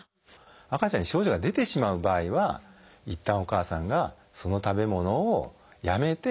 赤ちゃんに症状が出てしまう場合はいったんお母さんがその食べ物をやめて授乳しなくてはいけません。